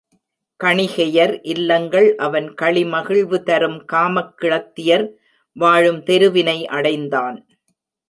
கணிகையர் இல்லங்கள் அவன் களிமகிழ்வு தரும் காமக்கிழத்தியர் வாழும் தெருவினை அடைந்தான்.